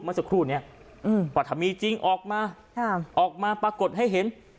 เมื่อสักครู่เนี้ยอืมประถามีจริงออกมาอ่าออกมาปรากฏให้เห็น